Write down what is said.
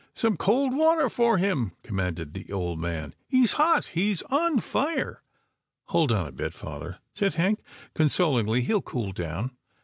" Some cold water for him," commanded the old man. He's hot — he's on fire." " Hold on a bit, father," said Hank, consolingly, " he'll cool down.